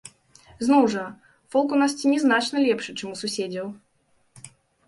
Зноў жа, фолк у нас ці не значна лепшы, чым у суседзяў!